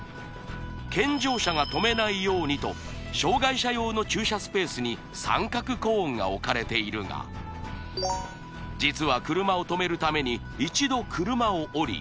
健常者がとめないようにと障がい者用の駐車スペースに三角コーンが置かれているが実は車をとめるために一度車を降り